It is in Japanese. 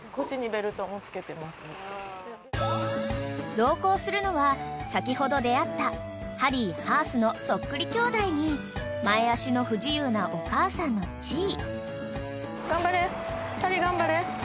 ［同行するのは先ほど出合ったハリーハースのそっくり兄弟に前脚の不自由なお母さんのチー］